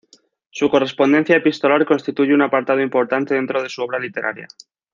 Su correspondencia epistolar constituye un apartado importante dentro de su obra literaria.